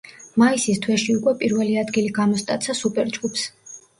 მაისის თვეში უკვე პირველი ადგილი გამოსტაცა სუპერ ჯგუფს.